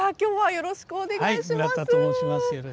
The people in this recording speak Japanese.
よろしくお願いします。